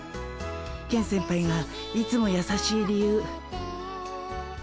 ケン先輩がいつもやさしい理由。